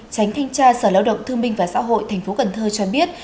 tránh thanh tra sở lao động thương minh và xã hội thành phố cần thơ cho biết